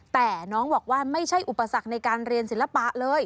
แต่น้องบอกว่าไม่ใช่อุปสรรคในการเรียนศิลปะเลย